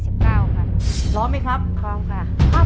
พร้อมไหมครับ